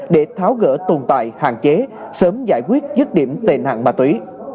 để tháo gỡ tồn tại hạn chế sớm giải quyết dứt điểm tên hạn bà túy